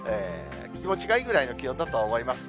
気持ちがいいぐらいの気温だとは思います。